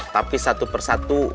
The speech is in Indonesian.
tapi satu per satu